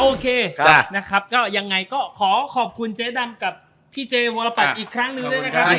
โอเคนะครับก็ยังไงก็ขอขอบคุณเจ๊ดำกับพี่เจวรปัตย์อีกครั้งหนึ่งด้วยนะครับ